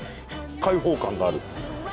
開放感がある。